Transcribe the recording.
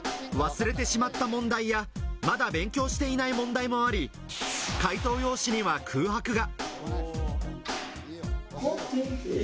忘れてしまった問題やまだ勉強していない問題もあり、解答用紙には空白が。